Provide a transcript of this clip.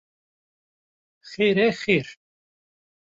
Xêr e, xêr.